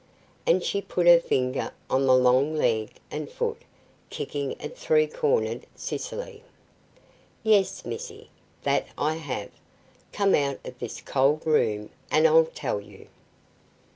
and she put her finger on the long leg and foot, kicking at three cornered Sicily. "Yes, Missie, that I have; come out of this cold room and I'll tell you."